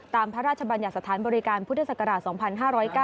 พระราชบัญญัติสถานบริการพุทธศักราช๒๕๐๙